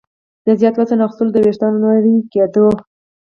د زیات وزن اخیستلو، د ویښتانو نري کېدو